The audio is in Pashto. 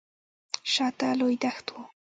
شاته لوی دښت و.